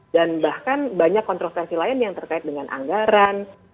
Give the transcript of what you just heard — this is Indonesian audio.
dan bahkan banyak kontroversi lain yang terkait dengan anggaran